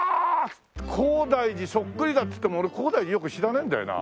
高台寺そっくりだっつっても俺高台寺よく知らないんだよな。